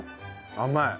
甘い。